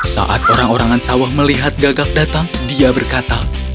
saat orang orang ansawah melihat gagak datang dia berkata